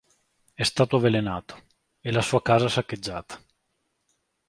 È stato avvelenato, e la sua casa saccheggiata.